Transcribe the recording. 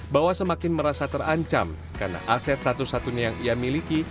bahwa semakin merasa terancam karena aset satu satunya yang ia miliki